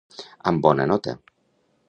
Amb bona nota.